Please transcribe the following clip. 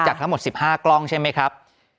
ทั้งหมด๑๕กล้องใช่ไหมครับ